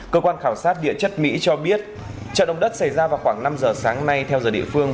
cơ quan khảo sát địa chất mỹ cho biết trận động đất xảy ra vào khoảng năm giờ sáng nay theo giờ địa phương